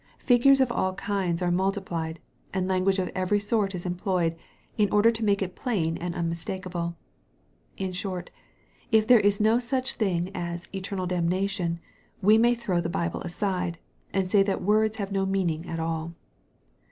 Figures of all kinds are multiplied, and language ef every sort is employed, in order to make it plain and unmistakeable. In short, if there is no such thing as " eternal damna tion." we may throw the Bible aside, and say that words nave no meaning at all.